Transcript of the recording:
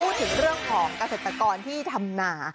พูดถึงเรื่องของเกษตรกรที่ทำนา